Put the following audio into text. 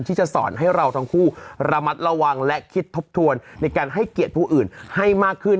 ที่จะสอนให้เราทั้งคู่ระมัดระวังและคิดทบทวนในการให้เกียรติผู้อื่นให้มากขึ้น